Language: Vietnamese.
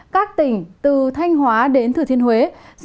các tỉnh từ thanh hóa đến thừa thiên huế